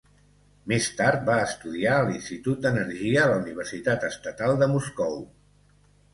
Més tard va estudiar a l'Institut d'Energia a la Universitat Estatal de Moscou.